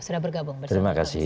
sudah bergabung bersama sama